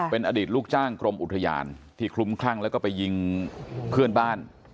เป็นอดีตลูกจ้างกรมอุทยานที่คลุ้มคลั่งแล้วก็ไปยิงเพื่อนบ้าน